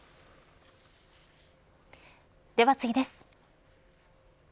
では次です。